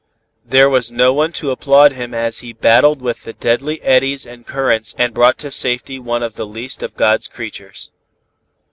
There was no one to applaud him as he battled with the deadly eddies and currents and brought to safety one of the least of God's creatures.